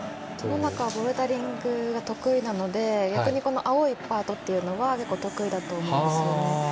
野中、ボルダリングが得意なので逆に青いパートというのが得意だと思いますよね。